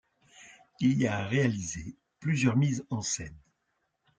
Il y a réalisé plusieurs mises en scène.